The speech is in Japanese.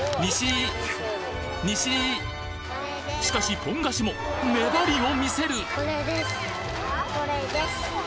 西しかしポン菓子も粘りを見せるこれです。